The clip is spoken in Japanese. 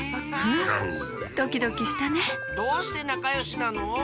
ドキドキしたねどうしてなかよしなの？